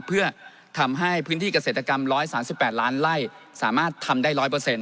เพื่อทำให้พื้นที่เกษตรกรรม๑๓๘ล้านไล่สามารถทำได้๑๐๐